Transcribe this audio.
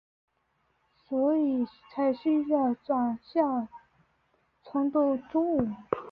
所以才需要转校重读中五。